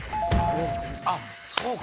あっそうか！